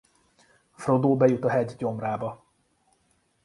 Frodó bejut a hegy gyomrába.